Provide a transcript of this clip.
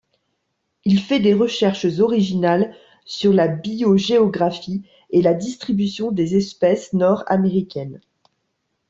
Il fait des recherches originales sur la biogéographie et la distribution des espèces nord-américaines.